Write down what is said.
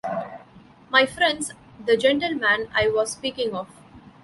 My friends, the gentleman I was speaking of.